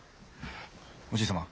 おじい様！